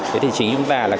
thế thì chính chúng ta là cái